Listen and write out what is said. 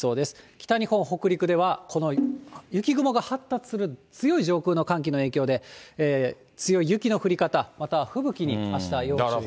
北日本、北陸ではこの雪雲が発達する強い上空の寒気の影響で、強い雪の降り方、また吹雪に、あしたは要注意。